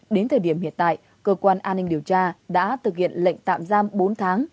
đến thời điểm hiện tại cơ quan an ninh điều tra đã thực hiện lệnh tạm giam bốn tháng